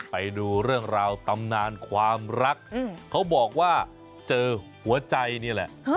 ไปดูเรื่องราวตำนานความรักเขาบอกว่าเจอหัวใจนี่แหละ